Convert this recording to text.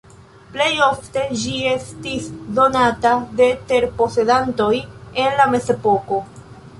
Plej ofte ĝi estis donata de terposedantoj en la Mezepoko.